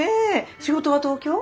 仕事は東京？